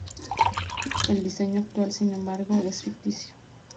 El diseño actual, sin embargo, es ficticio.